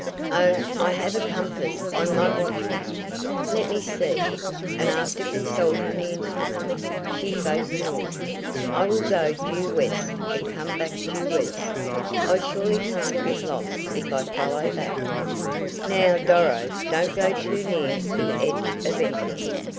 "Oh, I have a compass on my watch guard. Let me see," and after consulting the instrument, she faced north. "I will go due west and come back due east. I surely can't get lost if I follow that." "Now, Doro, don't go too near the edge of anything.